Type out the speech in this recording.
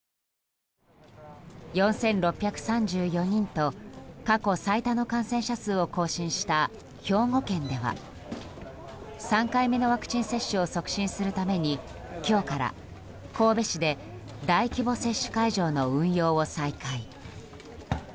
４６３４人と過去最多の感染者数を更新した兵庫県では、３回目のワクチン接種を促進するために今日から神戸市で大規模接種会場の運用を再開。